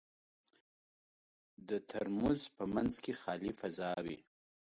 د ترموز په منځ کې خالي فضا وي.